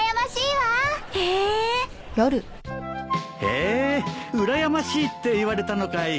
へえうらやましいって言われたのかい。